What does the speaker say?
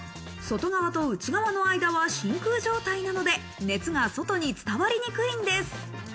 外側と内側の間は真空状態なので熱が外に伝わりにくいんです。